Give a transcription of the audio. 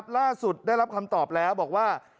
ล่าสุดได้รับคำตอบแล้วบอกว่า